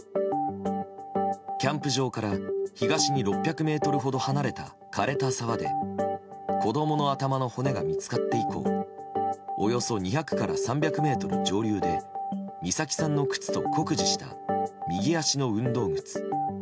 キャンプ場から東に６００ｍほど離れた枯れた沢で子供の頭の骨が見つかって以降およそ２００から３００ｍ上流で美咲さんの靴と酷似した右足の運動靴。